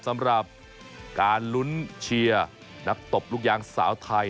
สำหรับการลุ้นเชียร์นักตบลูกยางสาวไทย